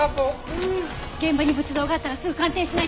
現場に仏像があったらすぐ鑑定しないと。